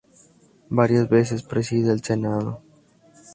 Varias veces preside el Senado.